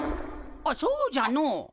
あっそうじゃのう。